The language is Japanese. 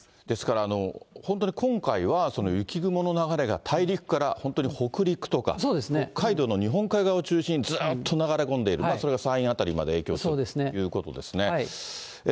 ですから、本当に今回は雪雲の流れが大陸から本当に北陸とか、北海道の日本海側を中心にずっと流れ込んでいる、それが山陰辺りまで影響しているということですね。